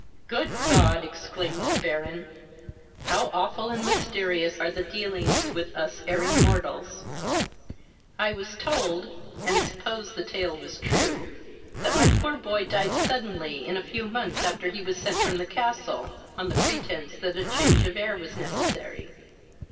"Good God! (exclaimed the Baron,) how awful and mysterious are they dealings with us erring mortals! I was told, and supposed the tale was true, that my poor boy died suddenly, in a few months after he was sent from the castle, on the pretence that change of air was necessary.